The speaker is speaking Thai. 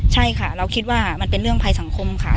ใช่ค่ะเราคิดว่ามันเป็นเรื่องภัยสังคมค่ะ